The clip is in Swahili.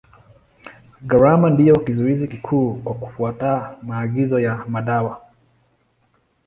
Gharama ndio kizuizi kikuu kwa kufuata maagizo ya madawa.